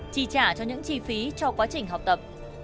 chi trả cho những chi phí cho quá trình học tập